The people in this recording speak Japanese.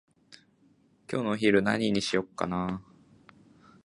今日のお昼何にしようかなー？